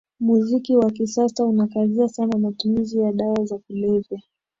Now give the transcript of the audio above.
Muziki wa kisasa unakazia sana matumizi ya dawa za kulevya